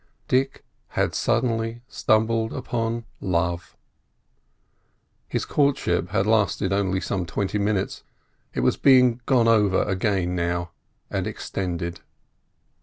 Dick had suddenly stumbled upon Love. His courtship had lasted only some twenty minutes; it was being gone over again now, and extended.